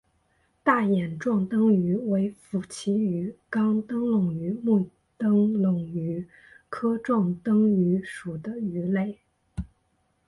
大眼壮灯鱼为辐鳍鱼纲灯笼鱼目灯笼鱼科壮灯鱼属的鱼类。